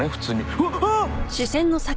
うわ。あっ！？